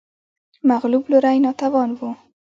مغلوب لوری ناتوان و